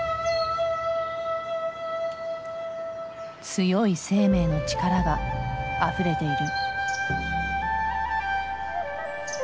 強い生命の力があふれている。